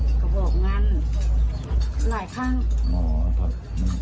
ไม่ได้กินก็ไม่ต้องกินซื้อข้าวจีนเท้าไม่ได้เสียงกระบบงัน